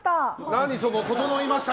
何その整いました！